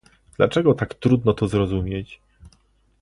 Dlaczego tak trudno to zrozumieć?